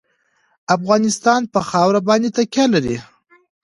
افغانستان په خاوره باندې تکیه لري.